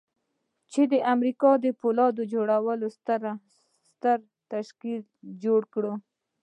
چې د امريکا د پولاد جوړولو ستر تشکيل جوړ کړي.